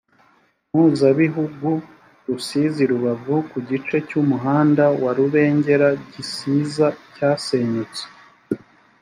mpuzabihugu rusizi rubavu ku gice cy umuhanda wa rubengera gisiza cyasenyutse